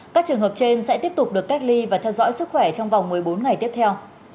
các trường hợp trên sẽ tiếp tục được cách ly và theo dõi sức khỏe trong vòng một mươi bốn ngày tiếp theo